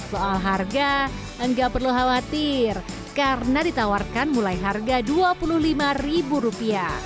soal harga enggak perlu khawatir karena ditawarkan mulai harga rp dua puluh lima